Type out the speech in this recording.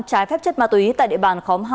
trái phép chất ma túy tại địa bàn khóm hai